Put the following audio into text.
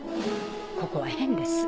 ここは変です。